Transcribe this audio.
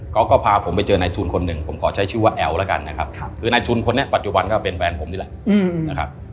พาผมไปเจอนายทุนคนหนึ่งผมขอใช้ชื่อว่าแอ๋วแล้วกันนะครับคือนายทุนคนนี้ปัจจุบันก็เป็นแฟนผมนี่แหละนะครับ